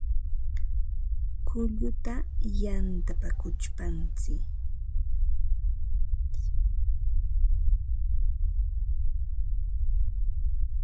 Kulluta yantapa kuchpatsiy